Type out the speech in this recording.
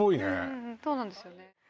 うんうんそうなんですよね